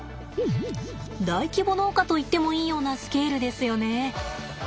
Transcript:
大規模農家といってもいいようなスケールですよね。